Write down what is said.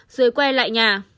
rồi quay lại nhà